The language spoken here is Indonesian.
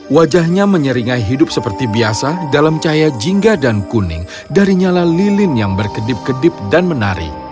wajahnya menyeringai hidup seperti biasa dalam cahaya jingga dan kuning dari nyala lilin yang berkedip kedip dan menari